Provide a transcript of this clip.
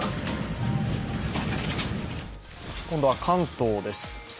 今度は関東です。